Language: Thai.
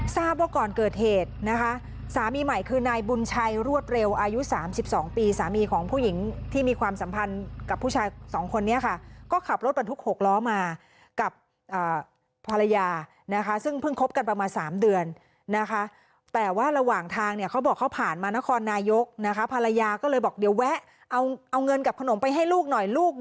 ทราบว่าก่อนเกิดเหตุนะคะสามีใหม่คือนายบุญชัยรวดเร็วอายุ๓๒ปีสามีของผู้หญิงที่มีความสัมพันธ์กับผู้ชายสองคนนี้ค่ะก็ขับรถบรรทุก๖ล้อมากับภรรยานะคะซึ่งเพิ่งคบกันประมาณ๓เดือนนะคะแต่ว่าระหว่างทางเนี่ยเขาบอกเขาผ่านมานครนายกนะคะภรรยาก็เลยบอกเดี๋ยวแวะเอาเงินกับขนมไปให้ลูกหน่อยลูก